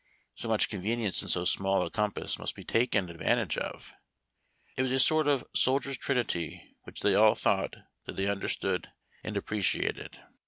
So mnch convenience in so small a compass must be taken advantage of. It was a sort of soldier's trinity, which they all thought that they understood and appreciated.